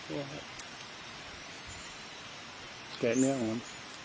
เนี่ยแกะเนื้อของมัน